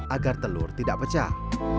agar telur tidak pecah